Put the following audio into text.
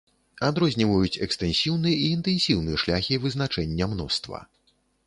Адрозніваюць экстэнсіўны і інтэнсіўны шляхі вызначэння мноства.